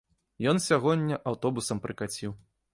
Ён сягоння аўтобусам прыкаціў.